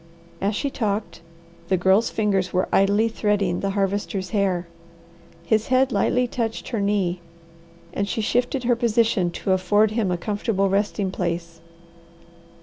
As she talked the Girl's fingers were idly threading the Harvester's hair. His head lightly touched her knee, and she shifted her position to afford him a comfortable resting place.